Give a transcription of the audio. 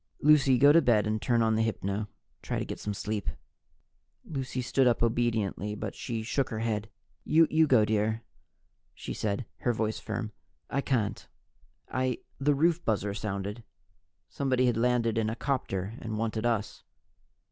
"Lucy, go to bed and turn on the hypno and try to get some sleep." Lucy stood up obediently, but she shook her head. "You go, dear," she said, her voice firm. "I can't. I " The roof buzzer sounded. Somebody had landed in a copter and wanted us.